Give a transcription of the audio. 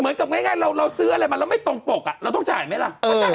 เหมือนกับง่ายเราซื้ออะไรมาเราไม่ตรงปกอ่ะเราต้องจ่ายไหมล่ะ